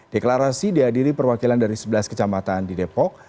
deklarasi dihadiri perwakilan dari sebelas kecamatan di depok